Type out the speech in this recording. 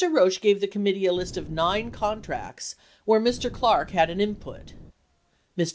Roush gave the com mittee a list of nine contracts where Mr. Clarke had an input. Mr.